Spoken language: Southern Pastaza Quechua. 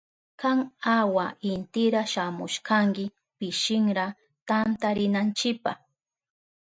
Kan awa intira shamushkanki pishinra tantarinanchipa.